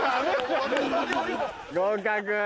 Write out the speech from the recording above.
合格。